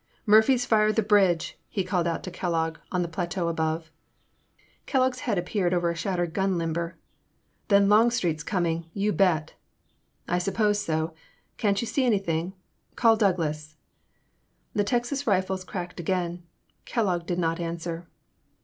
Murphy *s fired the bridge! " he called out to Kellogg on the plateau above. Kellogg' s head appeared over a shattered gun limber. Then Longstreet *s coming, you bet !'I suppose so, can't you see anything ? Call Douglas." The Texas rifles cracked again. Kellogg did not answer.